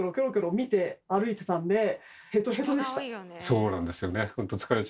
そうなんですよね